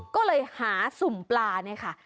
ก็เลยหาสุ่มปลาเนี่ยค่ะ